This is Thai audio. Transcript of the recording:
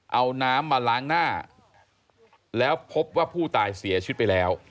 เอาน้ำมาล้างหน้าแล้วพบว่าผู้ตายเสียชีวิตไปแล้ว